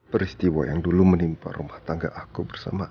peristiwa yang dulu menimpa rumah tangga aku bersama